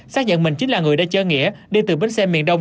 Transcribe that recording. xác nhận mình chính là người đã chơi nghĩa đi từ bến xe miền đông